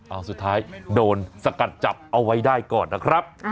เอาสุดท้ายโดนสกัดจับเอาไว้ได้ก่อนนะครับ